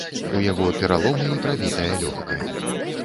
У яго пераломы і прабітае лёгкае.